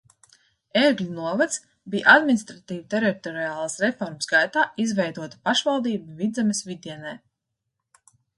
Ērgļu novads bija administratīvi teritoriālās reformas gaitā izveidota pašvaldība Vidzemes vidienē.